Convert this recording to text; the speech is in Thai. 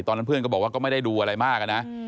ตอนนั้นเพื่อนก็บอกว่าก็ไม่ได้ดูอะไรมากนะ